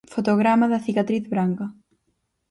Fotograma da 'Cicatriz branca'.